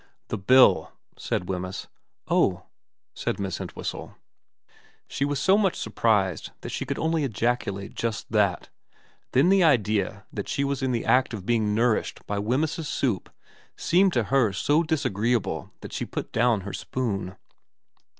' The bill,' said Wemyss. ' Oh,' said Miss Entwhistle. She was so much surprised that she could only ejaculate just that. Then the idea that she was in the act of being nourished by Wemyss's soup 344 VERA xxx seemed to her so disagreeable that she put down her spoon.